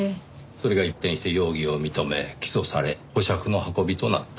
それが一転して容疑を認め起訴され保釈の運びとなった。